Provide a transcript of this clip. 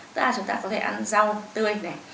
tức là chúng ta có thể ăn rau tươi này